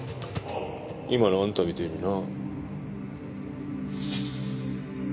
今のあんたみてえにな。